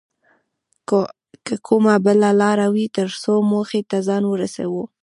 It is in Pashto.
که کومه بله لاره وي تر څو موخې ته ځان ورسوو